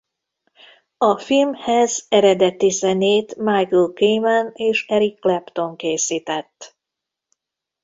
A filmhez eredeti zenét Michael Kamen és Eric Clapton készített.